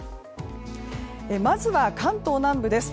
まずは、関東南部です。